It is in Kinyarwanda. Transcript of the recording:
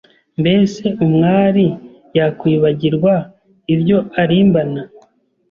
Mbese umwari yakwibagirwa ibyo arimbana,